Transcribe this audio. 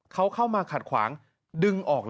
เขาเข้ามาขัดขวางดึงออก